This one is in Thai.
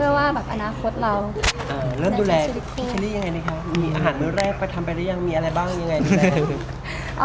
มีอาหารเรียบไปทำไปหรือยังมีอะไรบ้างอย่างไรดีและ